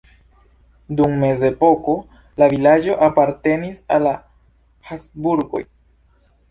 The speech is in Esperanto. Dum mezepoko la vilaĝo apartenis al la Habsburgoj.